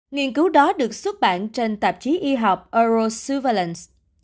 nghiên cứu đó được xuất bản trên tạp chí y học eurosuvalence